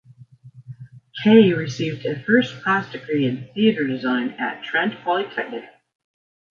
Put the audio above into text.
Kaye received a first-class degree in Theatre Design at Trent Polytechnic.